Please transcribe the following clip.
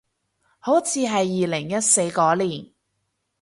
好似係二零一四嗰年